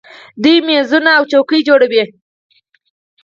دوی میزونه او څوکۍ جوړوي.